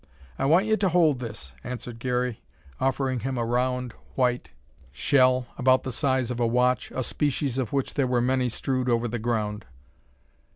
"I want ye to hold this," answered Garey, offering him a round white shell, about the size of a watch, a species of which there were many strewed over the ground.